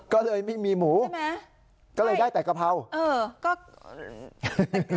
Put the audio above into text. ก็เลยไม่มีหมูก็เลยได้แต่กะเพราใช่ไหมเออ